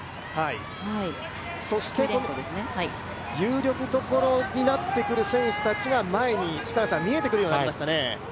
そして有力どころとなってくる選手が、前に見えてくるようになりました。